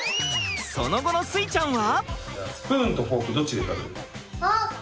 その後の穂ちゃんは。